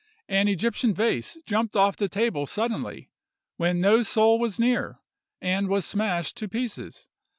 An Egyptian vase jumped off the table suddenly, when no soul was near, and was smashed to pieces.